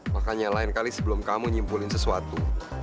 makanya lain kali sebelum kamu nyimpulin sesuatu